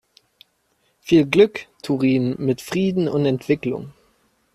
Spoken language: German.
Viel Glück, Turin, mit Frieden und Entwicklung!